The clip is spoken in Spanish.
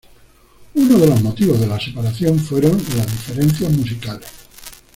Uno de los motivos de la separación fueron las diferencias musicales.